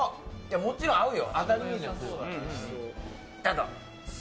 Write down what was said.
もちろん合うよ。